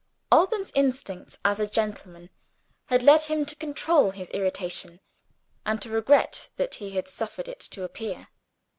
Alban's instincts as a gentleman had led him to control his irritation and to regret that he had suffered it to appear.